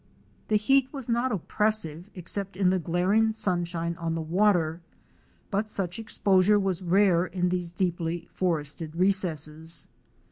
The heat was not oppressive except in the glar ing sunshine on the water, but such exposure was rare in these deeply forested recesses.